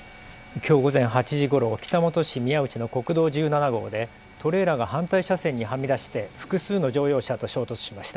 きょう午前８時ごろ北本市宮内の国道１７号でトレーラーが反対車線にはみ出して複数の乗用車と衝突しました。